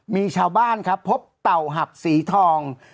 มีชาวบ้านครับพบเต่าหับสีทอง